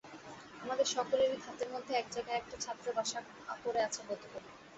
আমাদের সকলেরই ধাতের মধ্যে এক জায়গায় একটা ছাত্র বাসা করে আছে বোধ করি।